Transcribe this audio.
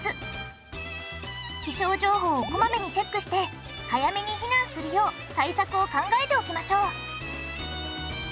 気象情報をこまめにチェックして早めに避難するよう対策を考えておきましょう。